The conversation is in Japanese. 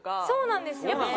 そうなんですよね。